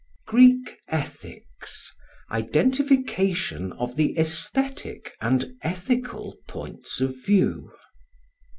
Greek Ethics Identification of the Aesthetic and Ethical Points of View.